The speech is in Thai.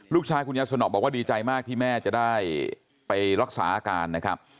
คุณยายสนอบอกว่าดีใจมากที่แม่จะได้ไปรักษาอาการนะครับ